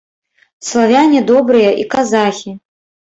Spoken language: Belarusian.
Славяне добрыя і казахі.